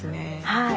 はい。